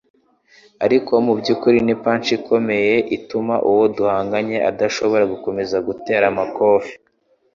ariko mubyukuri ni punch ikomeye ituma uwo duhanganye adashobora gukomeza guterana amakofe